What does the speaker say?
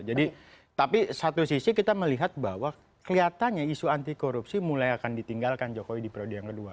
jadi tapi satu sisi kita melihat bahwa kelihatannya isu anti korupsi mulai akan ditinggalkan jokowi di periode yang kedua